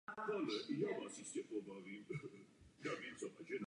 Chtěl bych říci několik slov k úpravě nástrojů.